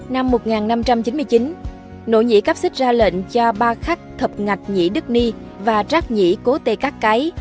năm một nghìn năm trăm chín mươi chín nỗ nhĩ cáp xích ra lệnh cho ba khách thập ngạch nhĩ đức ni và rác nhĩ cố tê cát cái